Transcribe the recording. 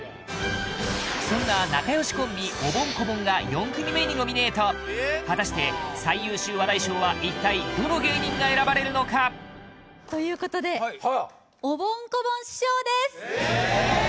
そんな仲良しコンビおぼん・こぼんが４組目にノミネート果たして最優秀話題賞は一体どの芸人が選ばれるのかということでおぼん・こぼん師匠ですえ！？